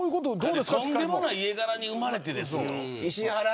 とんでもない家柄に生まれてですよ。